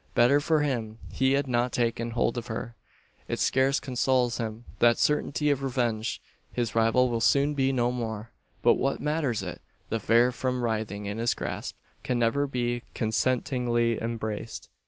Better for him he had not taken hold of her. It scarce consoles him that certainty of revenge. His rival will soon be no more; but what matters it? The fair form writhing in his grasp can never be consentingly embraced.